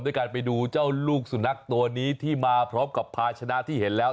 การไปดูเจ้าลูกสุนัขตัวนี้ที่มาพร้อมกับภาชนะที่เห็นแล้ว